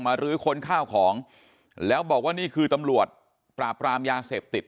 รื้อค้นข้าวของแล้วบอกว่านี่คือตำรวจปราบรามยาเสพติด